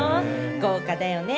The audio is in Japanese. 豪華だよね。